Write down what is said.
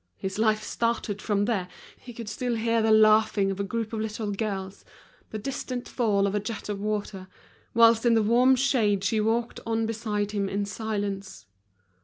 His life started from there, he could still hear the laughing of a group of little girls, the distant fall of a jet of water, whilst in the warm shade she walked on beside him in silence.